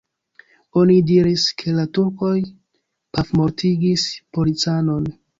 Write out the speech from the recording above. Oni diris, ke la turkoj pafmortigis policanon.